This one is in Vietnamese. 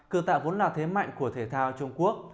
cử tạ vốn là thế mạnh của thể thao trung quốc